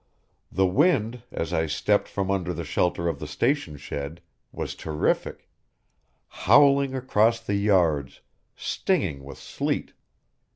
The wind, as I stepped from under the shelter of the station shed, was terrific: howling across the yards, stinging with sleet.